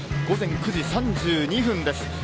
午前９時３２分です。